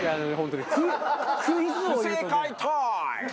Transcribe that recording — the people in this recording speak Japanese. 不正解タイム！